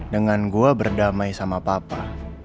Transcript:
dengan gue berdamai sama papa